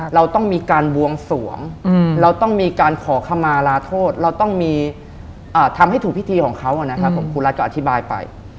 เราต้องมีการบวงสวงเราต้องมีการขอคำมาลาโทษเราต้องมีทำให้ถูกพิธีของเขานะครับผมครูรัฐก็อธิบายไป